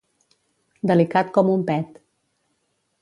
Delicat com un pet.